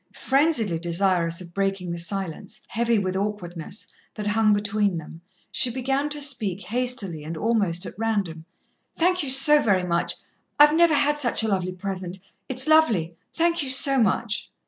Frenziedly desirous of breaking the silence, heavy with awkwardness, that hung between them, she began to speak hastily and almost at random. "Thank you so very much I've never had such a lovely present it's lovely; thank you so much."